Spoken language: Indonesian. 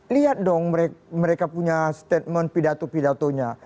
lihat dong mereka punya statement pidato pidatonya